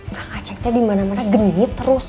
kakak ngaceng teh dimana mana genit terus